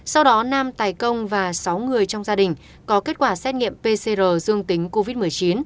sau đó nam tài công và sáu người trong gia đình có kết quả xét nghiệm pcr dương tính covid một mươi chín